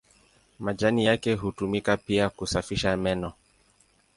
Majani yake hutumika pia kusafisha meno.